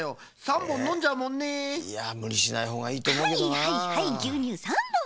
はいはいはいぎゅうにゅう３ぼん。